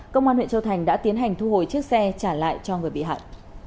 công an huyện châu thành đã tiến hành thu hồi chiếc xe trả lại cho người bị hại